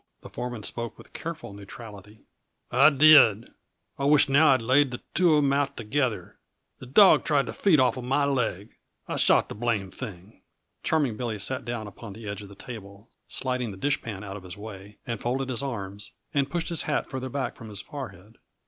The foreman spoke with careful neutrality. "I did. I wisht now I'd laid the two of 'em out together. The dawg tried to feed offa my leg. I shot the blame thing." Charming Billy sat down upon the edge of the table sliding the dishpan out of his way and folded his arms, and pushed his hat farther back from his forehead.